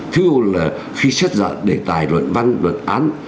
thứ một là khi xét dọn đề tài luận văn luận án